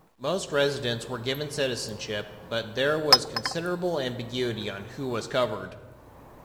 Most residents were given citizenship, but there was considerable ambiguity on who was covered.